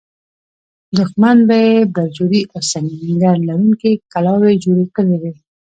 دښمن به یې برجورې او سنګر لرونکې کلاوې جوړې کړې وي.